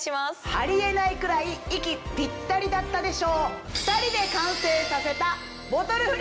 ありえないくらい息ぴったりだったで賞。